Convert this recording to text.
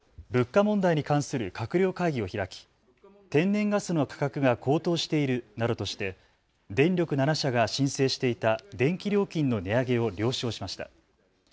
政府はきょう物価問題に関する閣僚会議を開き天然ガスの価格が高騰しているなどとして電力７社が申請していた電気料金の値上げを了承しました。